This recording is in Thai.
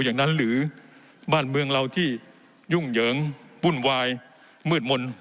อย่างนั้นหรือบ้านเมืองเราที่ยุ่งเหยิงวุ่นวายมืดมนต์